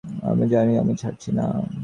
জানি আমি ছাড়ছি না।